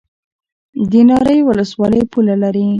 د ناری ولسوالۍ پوله لري